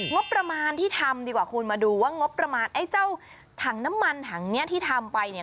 งบประมาณที่ทำดีกว่าคุณมาดูว่างบประมาณไอ้เจ้าถังน้ำมันถังเนี้ยที่ทำไปเนี่ย